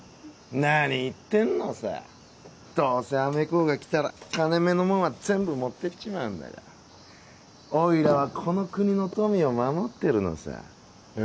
何言ってんのさどうせアメ公が来たら金目のもんは全部持ってっちまうんだからおいらはこの国の富を守ってるのさええ？